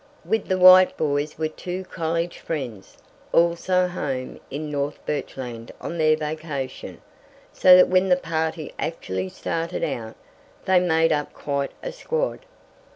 With the White boys were two college friends, also home in North Birchland on their vacation, so that when the party actually started out they made up quite a squad.